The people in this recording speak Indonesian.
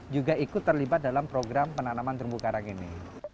juga ikut terlibat dalam program penanaman terumbu karang ini